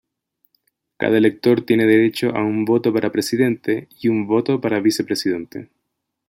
Cada elector tiene derecho a un voto para presidente y un voto para vicepresidente.